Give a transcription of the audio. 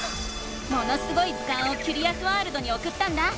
「ものすごい図鑑」をキュリアスワールドにおくったんだ。